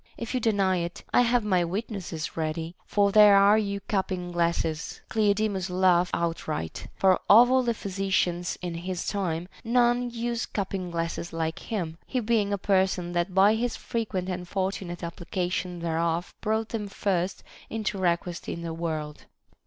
If you deny it, I have my witnesses ready ; for there are your cupping glasses. Cleodemus laughed outright ; for of all the physicians in his time, none used cupping glasses like him, he being a person that by his frequent and fortunate application thereof brought them first into request in the world.